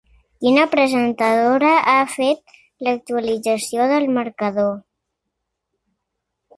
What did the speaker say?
Quina presentadora ha fet l'actualització del marcador?